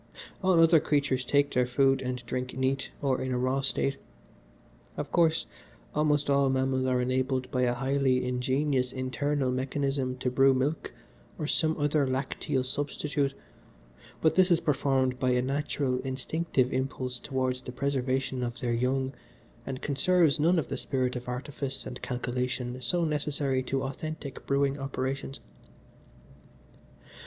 All other creatures take their food and drink neat, or in a raw state. Of course, almost all mammals are enabled by a highly ingenious internal mechanism to brew milk, or some other lacteal substitute, but this is performed by a natural, instinctive impulse towards the preservation of their young and conserves none of the spirit of artifice and calculation so necessary to authentic brewing operations.